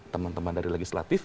teman teman dari legislatif